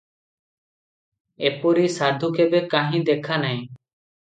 ଏପରି ସାଧୁ କେବେ କାହିଁ ଦେଖା ନାହିଁ ।